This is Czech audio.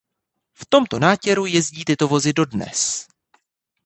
V tomto nátěru jezdí tyto vozy dodnes.